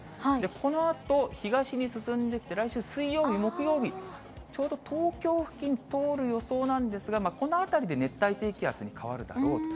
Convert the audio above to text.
このあと東に進んできて来週水曜日、木曜日、ちょうど東京付近通る予想なんですが、この辺りで熱帯低気圧に変わるだろうと。